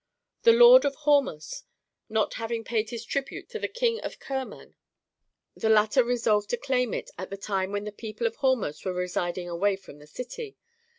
The Lord of Hormos, not having paid his tribute to the King of Kerman the Chap. XIX. THE CITY OK IIORMOS lOQ latter resolved to claim it at the time when the people of Hormos were residing away from the city.